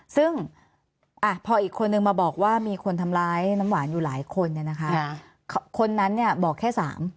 ซึ่งพออีกคนนึงมาบอกว่ามีคนทำร้ายน้ำหวานอยู่หลายคนเนี่ยนะคะคนนั้นเนี่ยบอกแค่๓